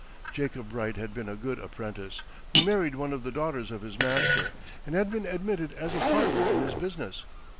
Jacob Bright had been a "Good Apprentice," who married one of the daughters of his master, and had been admitted as a partner in his business.